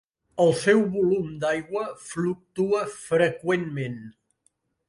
El seu volum d'aigua fluctua freqüentment.